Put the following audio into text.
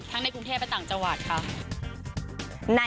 ในกรุงเทพและต่างจังหวัดค่ะ